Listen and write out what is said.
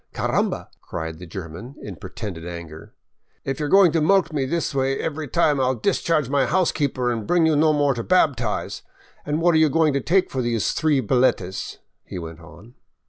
"Caramba!" cried the German, in pretended anger. "If you're going to mulct me this way every time, I '11 discharge my housekeeper and bring you no more to baptise. And what are you going to take for those three billetes ?" he went on.